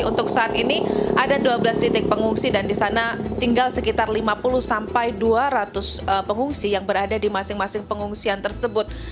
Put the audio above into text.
untuk saat ini ada dua belas titik pengungsi dan di sana tinggal sekitar lima puluh sampai dua ratus pengungsi yang berada di masing masing pengungsian tersebut